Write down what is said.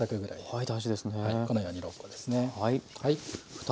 はい。